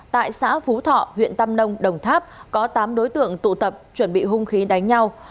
tại xã phú thọ huyện tam nông đồng tháp có tám đối tượng tụ tập chuẩn bị hung khí đánh nhau